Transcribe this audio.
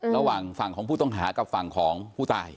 ระหว่างฝั่งของผู้ต้องหากับฝั่งของผู้ตาย